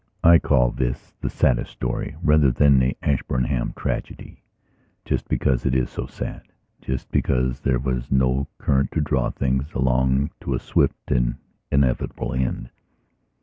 V I CALL this the Saddest Story, rather than "The Ashburnham Tragedy", just because it is so sad, just because there was no current to draw things along to a swift and inevitable end.